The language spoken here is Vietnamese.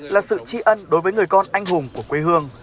là sự tri ân đối với người con anh hùng của quê hương